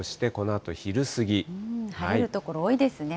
晴れる所多いですね。